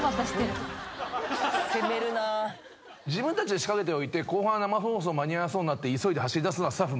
自分たちで仕掛けておいて後半生放送間に合わなそうになって急いで走りだすのは。